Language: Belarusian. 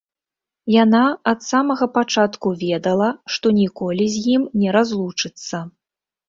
Яна ад самага пачатку ведала, што ніколі з ім не разлучыцца.